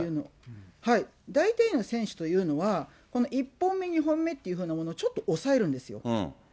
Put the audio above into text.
大体の選手というのは、この１本目、２本目っていうふうなものをちょっと抑えるんですよ。